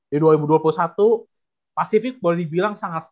di dua ribu dua puluh satu pasifik boleh dibilang sangat